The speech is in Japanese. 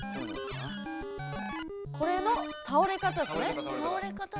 これの倒れ方ですね。